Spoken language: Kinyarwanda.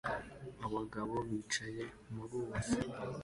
Abagabo bicaye muruziga